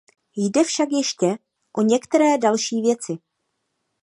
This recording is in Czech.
Jde však ještě o některé další věci.